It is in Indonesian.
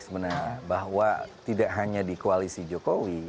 saya menarik bahwa tidak hanya di koalisi jokowi